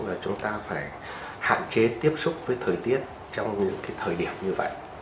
và chúng ta phải hạn chế tiếp xúc với thời tiết trong những thời điểm như vậy